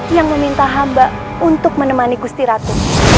yang meminta hamba untuk menemani gusti ratu